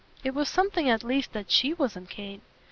It was something at least that SHE wasn't Kate.